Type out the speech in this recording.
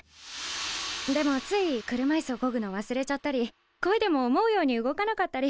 でもつい車いすをこぐの忘れちゃったりこいでも思うように動かなかったり。